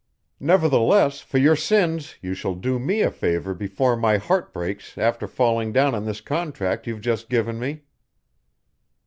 Nevertheless, for your sins, you shall do me a favour before my heart breaks after falling down on this contract you've just given me."